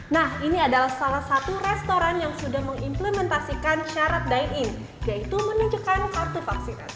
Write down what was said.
nah ini adalah salah satu restoran yang sudah mengimplementasikan syarat dine in yaitu menunjukkan kartu vaksinasi